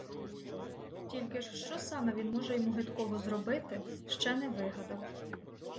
Тільки ж що саме він може йому гидкого зробити, — ще не вигадав.